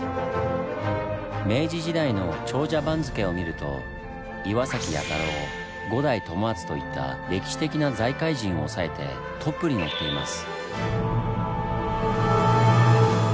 明治時代の長者番付を見ると岩弥太郎五代友厚といった歴史的な財界人を抑えてトップに載っています。